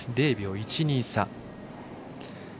０秒１２差。